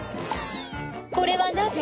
「これはなぜ？」